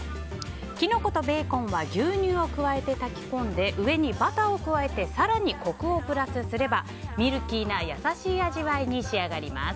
キノコとベーコンは牛乳を加えて炊き込んで上にバターを加えて更にコクをプラスすればミルキーな優しい味わいに仕上がります。